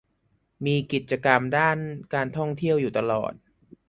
มีกิจกรรมด้านการท่องเที่ยวอยู่ตลอด